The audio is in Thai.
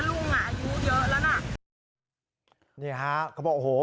ลุงอ่ะอายุเยอะแล้วน่ะนี่ฮะเขาบอกโอ้โห